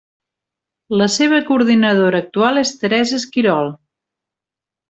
La seva coordinadora actual és Teresa Esquirol.